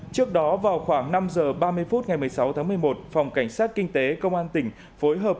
trước đó vào khoảng năm h ba mươi phút ngày một mươi sáu tháng một mươi một phòng cảnh sát kinh tế công an tỉnh phối hợp